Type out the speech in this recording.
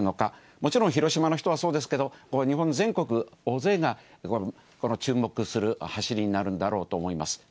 もちろん広島の人はそうですけど、日本全国、大勢が、注目する走りになるんだろうと思います。